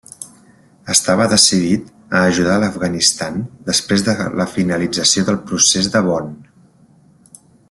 Estava decidit a ajudar a l'Afganistan després de la finalització del Procés de Bonn.